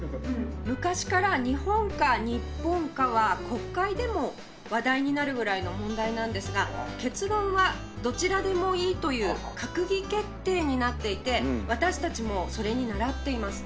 昔から「にほん」か「にっぽん」かは国会でも話題になるぐらいの問題なんですが結論はどちらでもいいという閣議決定になっていて私たちもそれに倣っています。